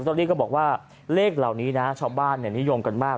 ตอนนี้ก็บอกว่าเลขเหล่านี้นะชาวบ้านนิยมกันมาก